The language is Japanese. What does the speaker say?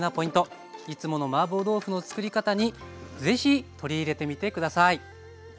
いつものマーボー豆腐のつくり方にぜひ取り入れてみて下さい。